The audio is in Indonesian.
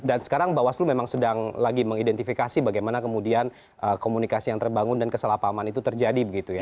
dan sekarang bawaslu memang sedang lagi mengidentifikasi bagaimana kemudian komunikasi yang terbangun dan kesalah pahaman itu terjadi